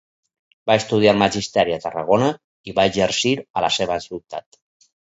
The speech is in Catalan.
Va estudiar magisteri a Tarragona i va exercir a la seva ciutat.